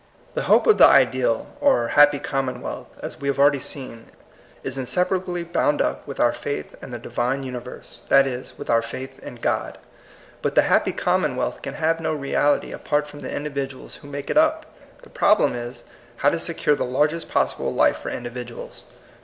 The hope of the ideal or happy common wealth, as we have already seen, is insepa rably bound up with our faith in the divine universe, that is, with our faith in Qod. But the happy commonwealth can have no reality apart from the individuals who make it up. The problem is, how to secure the largest possible life for individuals.